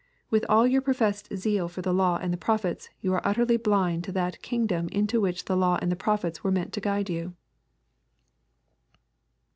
With all your professed zeal for the law and the prophets, you are utterly blind to that kingdom into which the law and the prophets were meant to guide you."